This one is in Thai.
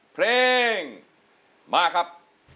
เพลงมาครับ